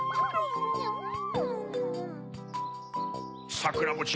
さくらもち